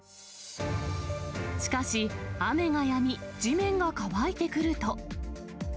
しかし、雨がやみ地面が乾いてくると。